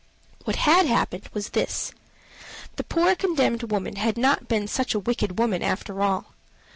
What had happened was this. The poor condemned woman had not been such a wicked woman after all.